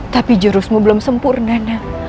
tapi jarusmu belum sempurna nel